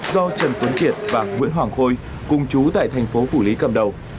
do trần tuấn kiệt và nguyễn hoàng khôi công chú tại thành phố phủ lý cầm đầu